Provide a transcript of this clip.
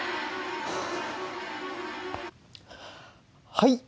はい。